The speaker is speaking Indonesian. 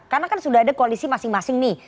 karena kan sudah ada koalisi masing masing nih